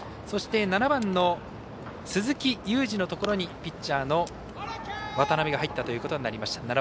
そして７番の鈴木勇司のところにピッチャーの渡邊が入ったということになりました。